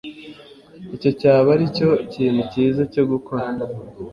Icyo cyaba aricyo kintu cyiza cyo gukora